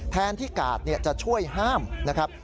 แทนที่กาดจะช่วยห้ามนะครับ